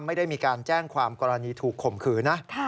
ไม่ได้มีการแจ้งความกรณีถูกข่มขืนนะ